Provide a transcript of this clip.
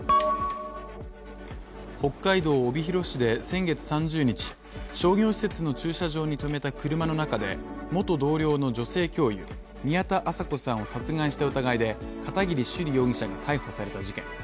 北海道帯広市で先月３０日、商業施設の駐車場に止めた車の中で元同僚の女性教諭・宮田麻子さんを殺害した疑いで、片桐珠璃容疑者が逮捕された事件。